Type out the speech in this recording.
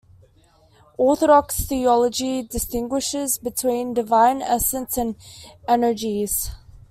Orthodox theology distinguishes between divine Essence and Energies.